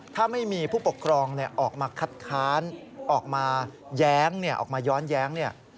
ถ้าไม่มีผู้ปกครองออกมาคัดคานออกมาย้านเย้ง